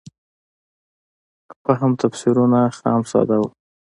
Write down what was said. فهم تفسیرونه خام ساده وو.